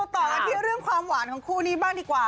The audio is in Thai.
ต่อกันที่เรื่องความหวานของคู่นี้บ้างดีกว่า